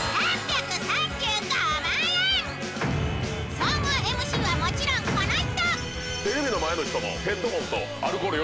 総合ＭＣはもちろんこの人。